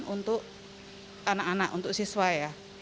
untuk anak anak untuk siswa ya